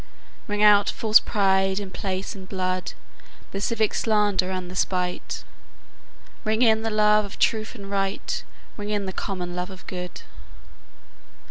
Ring out false pride in place and blood, The civic slander and the spite; Ring in the love of truth and right, Ring in the common love of good.